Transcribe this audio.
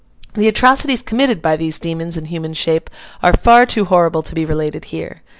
The atrocities committed by these demons in human shape are far too horrible to be related here.